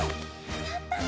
やったね。